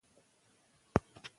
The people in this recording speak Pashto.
بې عدالتي ټولنه زیانمنوي.